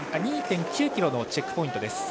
２．９ｋｍのチェックポイント。